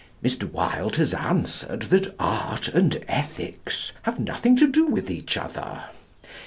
Mr. Wilde has answered that art and ethics have nothing to do with each other.